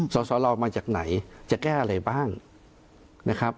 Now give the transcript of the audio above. สสลมาจากไหนจะแก้อะไรบ้างนะครับ